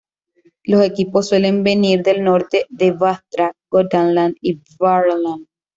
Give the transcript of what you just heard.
Los equipos suelen venir del norte de Västra Götaland y Värmland.